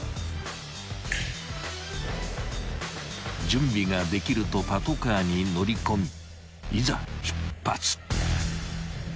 ［準備ができるとパトカーに乗り込みいざ出発］